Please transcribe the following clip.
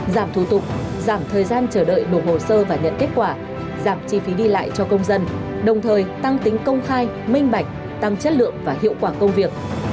giảm thủ tục giảm thời gian chờ đợi nộp hồ sơ và nhận kết quả giảm chi phí đi lại cho công dân đồng thời tăng tính công khai minh bạch tăng chất lượng và hiệu quả công việc